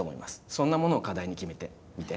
そんなものを課題に決めてみて。